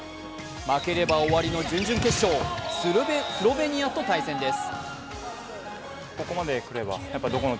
負ければ終わりの準々決勝、スロベニアと対戦です。